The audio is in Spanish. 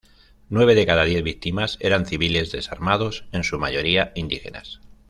Nueve de cada diez víctimas eran civiles desarmados, en su mayoría indígenas.